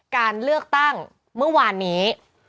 การเลือกตั้งเมื่อวานนี้